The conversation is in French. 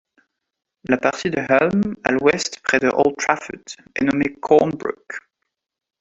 La partie de Hulme à l'ouest près de Old Trafford est nommé Cornbrook.